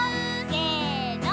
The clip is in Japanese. せの。